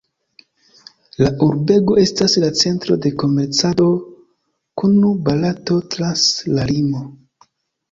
La urbego estas la centro de komercado kun Barato trans la limo.